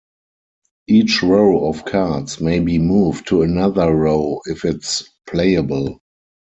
Each row of cards may be moved to another row if its playable.